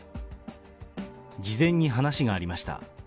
事前に話がありました。